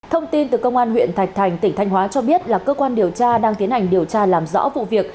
thông tin từ công an huyện thạch thành tỉnh thanh hóa cho biết là cơ quan điều tra đang tiến hành điều tra làm rõ vụ việc